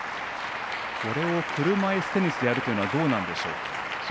これを車いすテニスでやるというのはどうなんでしょう。